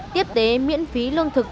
tiếp tế miễn phí lương thực